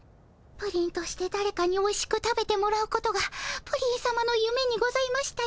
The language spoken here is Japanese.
プリンとしてだれかにおいしく食べてもらうことがプリンさまのゆめにございましたよね。